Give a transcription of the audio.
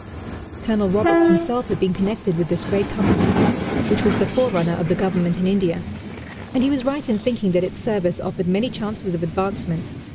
Colonel Roberts himself had been connected with this great company, which was the forerunner of the Government in India and he was right in thinking that its service offered many chances of advancement.